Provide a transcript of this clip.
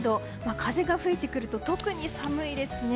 風が吹いてくると特に寒いですね。